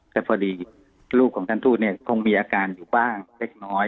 แต่พอดีลูกของท่านทูตเนี่ยคงมีอาการอยู่บ้างเล็กน้อย